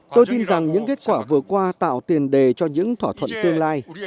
tôi tin rằng những kết quả vừa qua tạo tiền đề cho những thỏa thuận tương lai